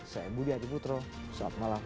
saya budi hadi putro selamat malam